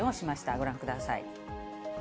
ご覧ください。